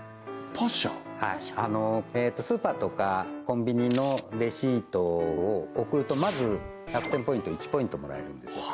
スーパーとかコンビニのレシートを送るとまず楽天ポイント１ポイントもらえるんですよ